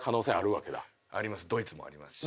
ドイツもありますし。